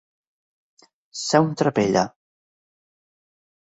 Ser un trapella.